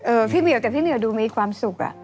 พี่เหมียวแต่พี่เหมียวดูมีความสุขอะ